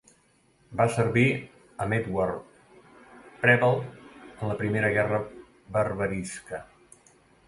Va servir amb Edward Preble en la primera guerra berberisca.